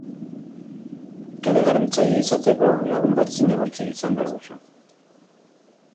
Kale-garbitzaile izateko, lagun bat zinegotzi izan behar duzu.